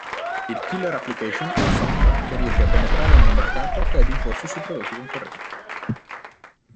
Il killer application è un software, che riesce a penetrare nel mercato e ad imporsi sui prodotti concorrenti.